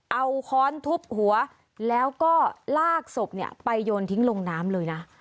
เอาค้อนทุบหัวแล้วก็ลากศพเนี่ยไปโยนทิ้งลงน้ำเลยนะ